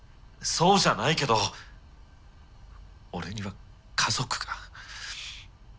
そうじゃないけど俺には家族が。